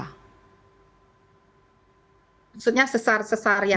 maksudnya sesar sesar yang lain